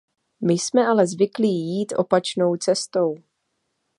My jsme ale zvyklí jít opačnou cestou.